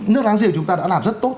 nước đáng dìu chúng ta đã làm rất tốt